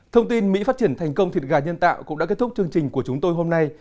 thông tin mỹ phát triển thành công thịt gà nhân tạo cũng đã kết thúc chương trình của chúng tôi hôm nay